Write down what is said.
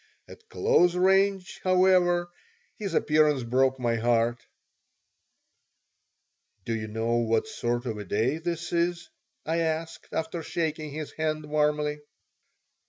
At close range, however, his appearance broke my heart "Do you know what sort of a day this is?" I asked, after shaking his hand warmly.